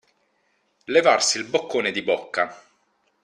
Levarsi il boccone di bocca.